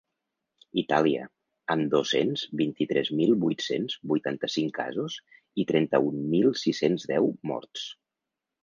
Itàlia, amb dos-cents vint-i-tres mil vuit-cents vuitanta-cinc casos i trenta-un mil sis-cents deu morts.